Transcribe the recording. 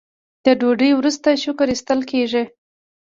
د ډوډۍ وروسته شکر ایستل کیږي.